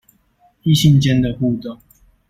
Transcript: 異性間的互動